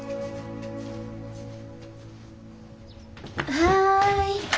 はい。